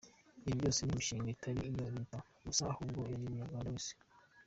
Ibi byose ni inshingano itari iya leta gusa ahubwo ya buri munyarwanda wese.